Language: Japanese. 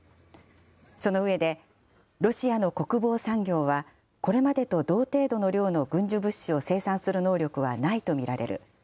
その上で、ロシアの国防産業はこれまでと同程度の量の軍需物資を生産する能力はないと見られる。